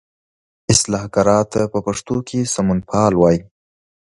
اصلاح ګرا ته په پښتو کې سمونپال وایي.